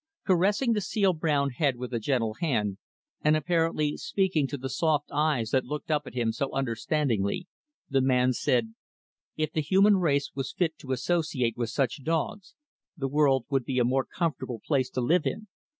Caressing the seal brown head with a gentle hand, and apparently speaking to the soft eyes that looked up at him so understandingly, the man said, "If the human race was fit to associate with such dogs, the world would be a more comfortable place to live in."